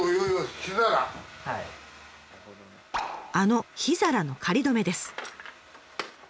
あの火皿の仮止めです。